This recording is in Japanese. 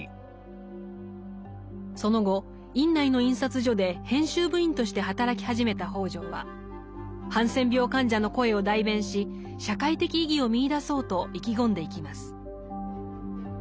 その後院内の印刷所で編集部員として働き始めた北條はハンセン病患者の声を代弁し社会的意義を見いだそうと意気込んでいきます。